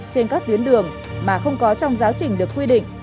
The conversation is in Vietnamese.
trên các tuyến đường mà không có trong giáo trình được quy định